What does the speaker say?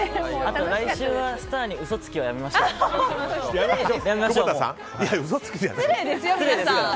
来週はスターに嘘つきはやめましょう。